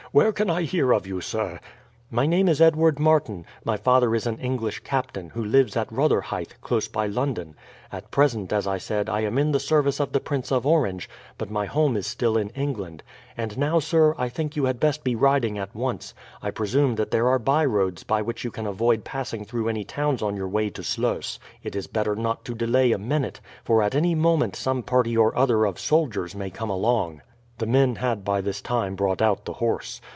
Where can I hear of you, sir?" "My name is Edward Martin. My father is an English captain, who lives at Rotherhithe, close by London. At present, as I said, I am in the service of the Prince of Orange; but my home is still in England. And now, sir, I think you had best be riding at once. I presume that there are byroads by which you can avoid passing through any towns on your way to Sluys. It is better not to delay a minute, for at any moment some party or other of soldiers may come along." The men had by this time brought out the horse.